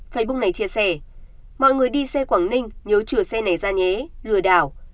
facebook này chia sẻ mọi người đi xe quảng ninh nhớ chừa xe này ra nhé lừa đảo